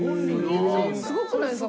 すごくないですか？